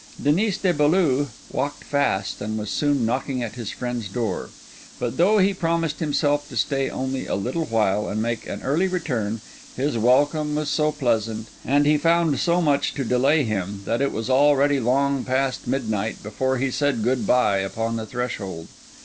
Denis de Beaulieu walked fast and was soon knocking at his friend's door; but though he promised himself to stay only a little while and make an early return, his welcome was so pleasant, and he found so much to delay him, that it was already long past midnight before he said good bye upon the threshold.